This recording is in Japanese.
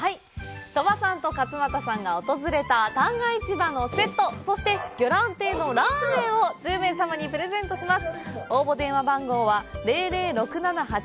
鳥羽さんと勝俣さんが訪れた旦過市場のセット、そして、ぎょらん亭のラーメンを１０名様にプレゼントします。